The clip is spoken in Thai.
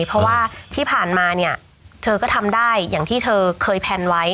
เพราะว่าที่ผ่านมาเนี่ยเธอก็ทำได้อย่างที่เธอเคยแพลนไว้